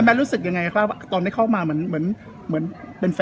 แล้วแมทรู้สึกยังไงครับว่าตอนได้เข้ามาเหมือนเป็นแฟนอะเหมือนจีบเราอะค่ะ